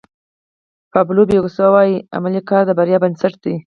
پابلو پیکاسو وایي عملي کار د بریا بنسټ دی.